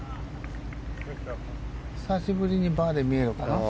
久しぶりにバーディーが見えるかな。